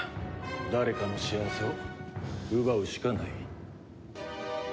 誰かの幸せを奪うしかない。